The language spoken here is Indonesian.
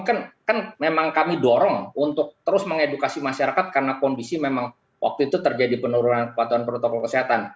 kan memang kami dorong untuk terus mengedukasi masyarakat karena kondisi memang waktu itu terjadi penurunan kepatuhan protokol kesehatan